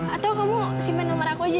atau kamu simpen nomer aku aja